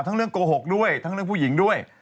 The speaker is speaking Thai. เรื่องโกหกด้วยทั้งเรื่องผู้หญิงด้วย